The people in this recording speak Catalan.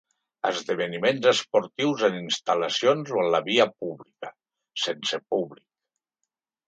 Esdeveniments esportius en instal·lacions o en la via pública: sense públic.